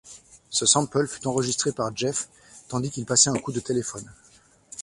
Ce sample fut enregistré par Jeffes tandis qu'il passait un coup de téléphone.